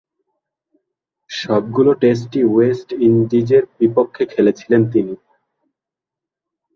সবগুলো টেস্টই ওয়েস্ট ইন্ডিজের বিপক্ষে খেলেছিলেন তিনি।